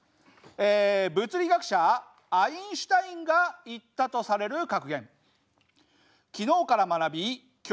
物理学者アインシュタインが言ったとされる格言。